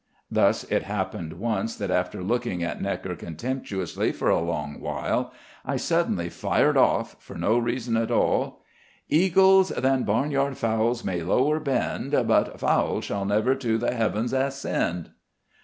Thus it happened once that after looking at Gnekker contemptuously for a long while, I suddenly fired off, for no reason at all: "Eagles than barnyard fowls may lower bend; But fowls shall never to the heav'ns ascend."